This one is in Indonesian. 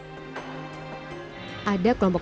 serta para komandan kelompok